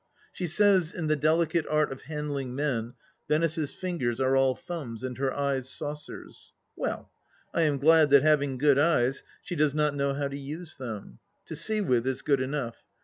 She says, in the delicate art of handling men Venice's fingers are all thumbs and her eyes saucers. Well 1 I am glad that, having good eyes, she does not faiow how to use them. To see with is good enough.